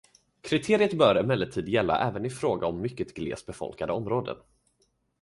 Kriteriet bör emellertid gälla även i fråga om mycket glest befolkade områden.